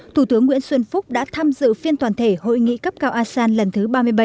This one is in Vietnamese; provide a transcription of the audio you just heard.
thủ tướng nguyễn xuân phúc đã tham dự phiên toàn thể hội nghị cấp cao asean lần thứ ba mươi bảy